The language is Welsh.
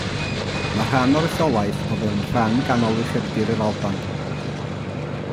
Mae rhan o'r etholaeth o fewn rhan ganol Ucheldir yr Alban.